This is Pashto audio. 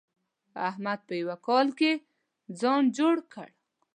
احمد په يوه کال کې ځان جوړ کړ.